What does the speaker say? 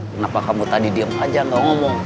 kenapa kamu tadi diem aja gak ngomong